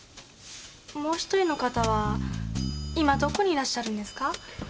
もう１人の方は今どこにいらっしゃるんですか？